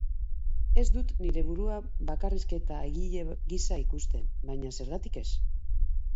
Ez dut nire burua bakarrizketa-egile gisa ikusten, baina zergatik ez?